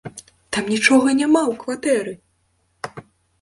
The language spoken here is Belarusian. Там нічога няма ў кватэры!